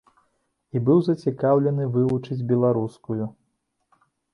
І быў зацікаўлены вывучыць беларускую.